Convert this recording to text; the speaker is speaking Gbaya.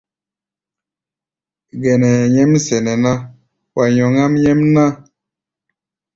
Gɛnɛ hɛ̧ɛ̧ nyɛ́m sɛnɛ ná, wa nyɔŋáʼm nyɛ́mná.